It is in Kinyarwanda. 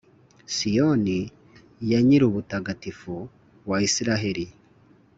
«siyoni ya nyir’ubutagatifu wa israheli.»